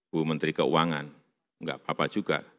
bu menteri keuangan nggak apa apa juga